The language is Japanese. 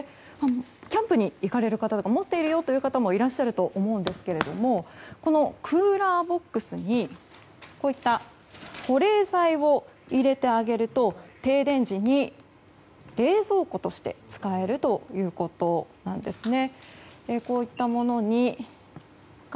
キャンプに行かれる方とか持ってるよという方いらっしゃると思うんですけどもこのクーラーボックスに保冷剤を入れてあげると停電時に冷蔵庫として使えるということなんですね。